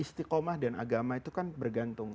sama istikomah dan agama itu kan bergantung